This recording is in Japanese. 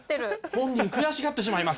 本人悔しがってしまいます。